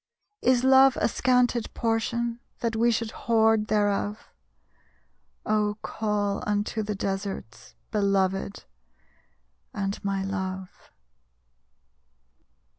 _ _Is love a scanted portion, That we should hoard thereof? Oh, call unto the deserts, Belovèd and my Love!